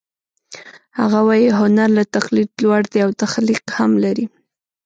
هغه وايي هنر له تقلید لوړ دی او تخلیق هم لري